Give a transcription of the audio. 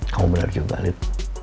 kamu benar juga lid